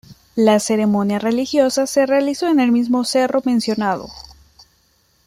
La ceremonia religiosa se realizó en el mismo cerro mencionado.